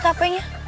siapa yang ya